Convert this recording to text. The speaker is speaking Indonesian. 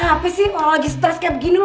apa sih lagi stress kayak gini lu